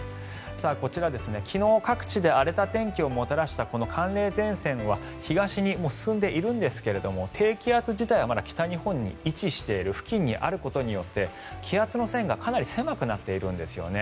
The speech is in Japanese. こちら、昨日各地で荒れた天気をもたらしたこの寒冷前線はもう東に進んでいるんですが低気圧自体はまだ北日本に位置している付近にあることによって気圧の線がかなり狭くなっているんですよね。